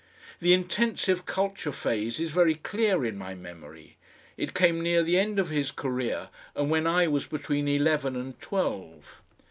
The intensive culture phase is very clear in my memory; it came near the end of his career and when I was between eleven and twelve.